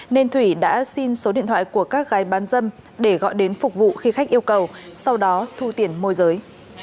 nên thủy đã xin số điện thoại của các gái bán dâm để gọi đến phục vụ khi khách yêu cầu sau đó thu tiền môi giới